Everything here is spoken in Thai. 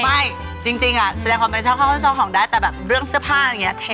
ไม่จริงแสดงความเป็นเจ้าของสุดได้แต่แบบเรื่องเสื้อผ้าอย่างงี้